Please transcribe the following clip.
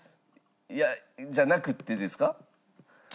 いや「じゃなくって」ですか？